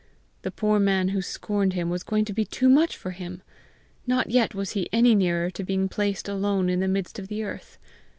The poor man who scorned him was going to be too much for him! Not yet was he any nearer to being placed alone in the midst of the earth.